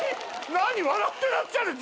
何笑ってらっしゃるし。